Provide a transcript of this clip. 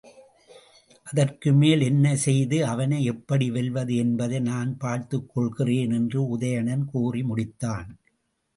அதற்குமேல் என்ன செய்து அவனை எப்படி வெல்வது என்பதை நான் பார்த்துக் கொள்கிறேன் என்று உதயணன் கூறி முடித்தான்.